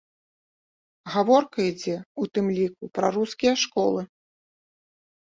Гаворка ідзе ў тым ліку пра рускія школы.